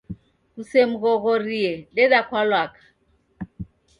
Kusemghoghorie, deda kwa lwaka